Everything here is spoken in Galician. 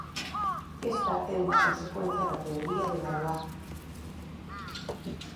Esta é unha consecuencia da teoría de Galois.